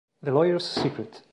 The Lawyer's Secret